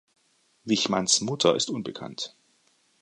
Wichmanns Mutter ist unbekannt.